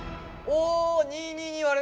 お。